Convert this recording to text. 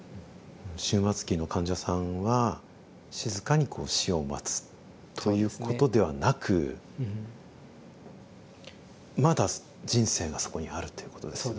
終末期の患者さんは静かにこう死を待つということではなくまだ人生がそこにあるということですね。